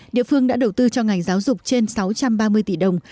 địa phương đã đầu tư cho ngành giáo dục trên sáu trăm ba mươi tỷ đồng